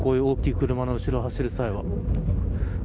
大きな車の後ろを走るのは。